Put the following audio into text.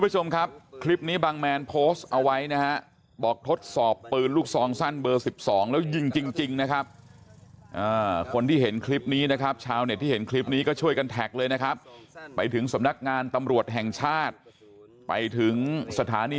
ช่วยกันแท็กเลยนะครับไปถึงสำนักงานตำรวจแห่งชาติไปถึงสถานี